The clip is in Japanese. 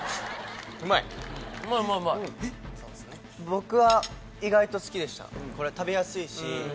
僕は意外と好きでした食べやすいし。